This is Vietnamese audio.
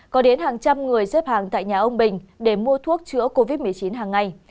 có đến hàng trăm người xếp hàng tại nhà ông bình để mua thuốc chữa covid một mươi chín hàng ngày